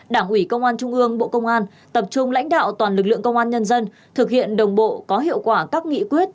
đảng ủy công an trung ương bộ công an tập trung lãnh đạo toàn lực lượng công an nhân dân thực hiện đồng bộ có hiệu quả các nghị quyết